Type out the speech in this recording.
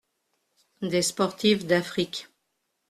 Des sportives d’Afrique.